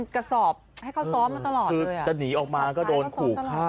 กระสอบให้เขาซ้อมมาตลอดคือจะหนีออกมาก็โดนขู่ฆ่า